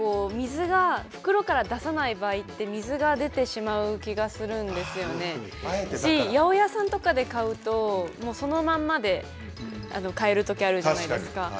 袋から出さない場合は水が出てしまう気がするので八百屋さんとかで買うとそのままで買えるときあるじゃないですか。